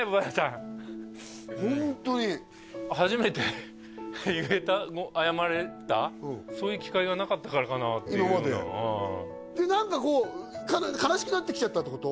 ホントに初めて言えた謝れたそういう機会がなかったからかなっていうで何かこう悲しくなってきちゃったってこと？